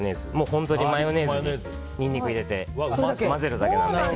本当にマヨネーズにニンニクを入れて混ぜるだけなので。